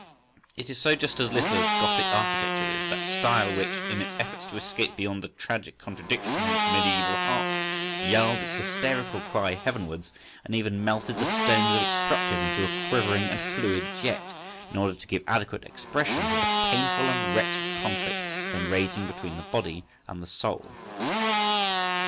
It is so just as little as Gothic architecture is,—that style which, in its efforts to escape beyond the tragic contradiction in its mediæval heart, yelled its hysterical cry heavenwards and even melted the stones of its structures into a quivering and fluid jet, in order to give adequate expression to the painful and wretched conflict then raging between the body and the soul.